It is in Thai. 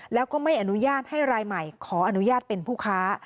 แล้วก็ไม่อนุญาตให้รายใหม่ขออนุญาตเป็นผู้ค้า